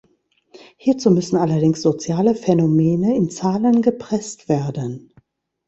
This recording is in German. Hierzu müssen allerdings soziale Phänomene in Zahlen gepresst werden.